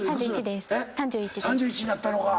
３１になったのか。